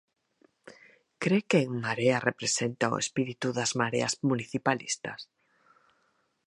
Cre que En Marea representa o espírito das mareas municipalistas?